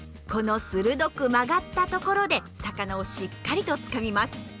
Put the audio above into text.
この鋭く曲がった所で魚をしっかりとつかみます。